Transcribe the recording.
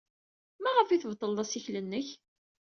Maɣef ay tbeṭleḍ assikel-nnek?